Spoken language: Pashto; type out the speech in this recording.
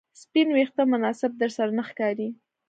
سپین ویښته مناسب درسره نه ښکاري